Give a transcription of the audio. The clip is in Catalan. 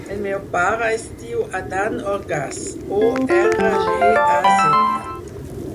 El meu pare es diu Adán Orgaz: o, erra, ge, a, zeta.